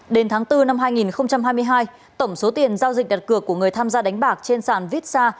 đến tháng bốn năm hai nghìn hai mươi hai tổng số tiền giao dịch đặt cược của người tham gia đánh bạc trên sàn vitsa